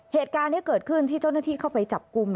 เหตุการณ์ที่เกิดขึ้นที่เจ้าหน้าที่เข้าไปจับกลุ่ม